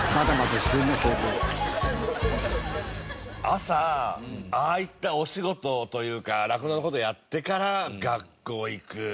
朝ああいったお仕事というか酪農の事やってから学校行く。